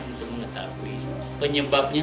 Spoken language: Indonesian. untuk mengetahui penyebabnya